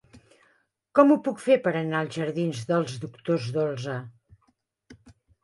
Com ho puc fer per anar als jardins dels Doctors Dolsa?